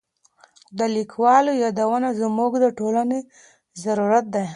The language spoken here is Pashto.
د لیکوالو یادونه زموږ د ټولنې ضرورت دی.